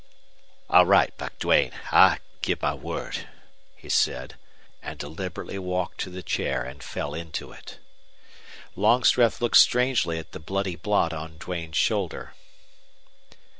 "All right, Buck Duane, I give my word," he said, and deliberately walked to the chair and fell into it. Longstreth looked strangely at the bloody blot on Duane's shoulder.